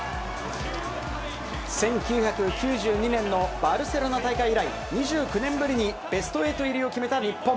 １９９２年のバルセロナ大会以来、２９年ぶりにベスト８入りを決めた日本。